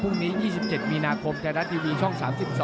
พรุ่งนี้๒๗มีนาคมไทยรัฐทีวีช่อง๓๒